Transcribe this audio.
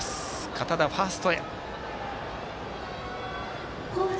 堅田、ファーストへ。